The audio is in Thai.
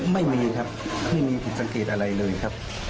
ไม่มีครับไม่มีผิดสังเกตอะไรเลยครับ